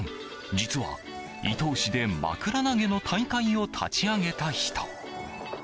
実は、伊東市でまくら投げの大会を立ち上げた人。